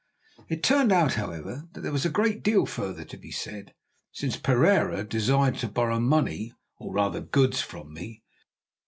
It turned out, however, that there was a great deal further to be said, since Pereira desired to borrow money, or, rather, goods, from me.